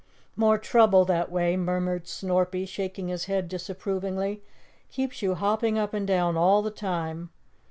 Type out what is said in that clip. "More trouble that way," murmured Snorpy, shaking his head disapprovingly. "Keeps you hopping up and down all the time.